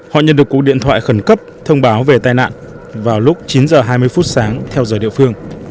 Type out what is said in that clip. họ nhận được cuộc điện thoại khẩn cấp thông báo về tai nạn vào lúc chín h hai mươi phút sáng theo giờ địa phương